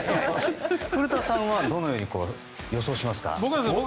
古田さんはどのように予想しますか？